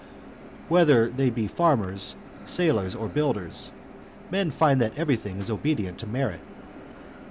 Whether they be farmers, sailors, or builders, men find that everything is obedient to merit.